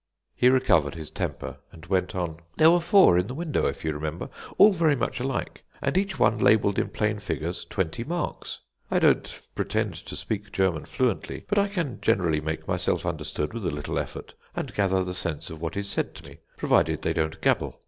He recovered his temper, and went on: "There were four in the window, if you remember, all very much alike, and each one labelled in plain figures twenty marks. I don't pretend to speak German fluently, but I can generally make myself understood with a little effort, and gather the sense of what is said to me, provided they don't gabble.